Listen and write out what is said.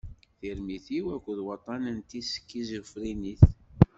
Tirmit-iw akked waṭṭan n teskiẓufrinit.